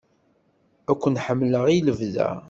Ad ken-ḥemmleɣ i lebda.